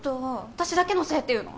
私だけのせいっていうの？